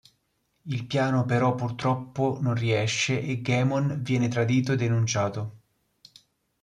Il piano però purtroppo non riesce e Goemon viene tradito e denunciato.